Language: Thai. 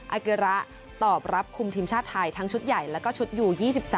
อาเกระตอบรับคุมทีมชาติไทยทั้งชุดใหญ่แล้วก็ชุดอยู่๒๓